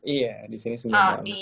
iya disini sembilan tahun